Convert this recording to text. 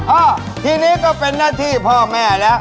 อ่าทีนี้ก็เป็นหน้าที่พ่อแม่แล้ว